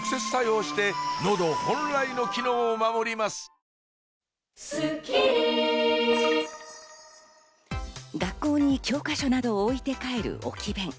実際に学校に教科書などを置いて帰る置き勉。